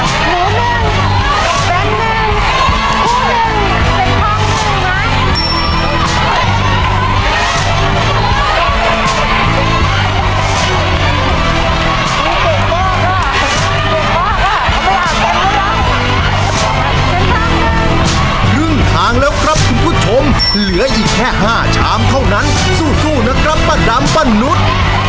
ครึ่งทางแล้วครับคุณผู้ชมเหลืออีกแค่๕ชามเท่านั้นสู้นะครับป้าดำป้านุษย์